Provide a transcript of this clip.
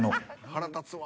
腹立つわ。